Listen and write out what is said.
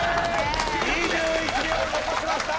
２１秒残しました！